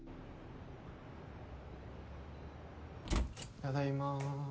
ただいまー